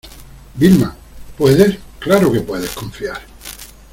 Vilma, puedes , claro que puedes confiar.